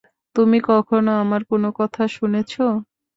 তুমি কখনও আমার কোন কথা শুনেছ?